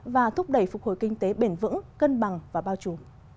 và thúc đẩy phục hồi kinh tế bền vững cân bằng và bao trù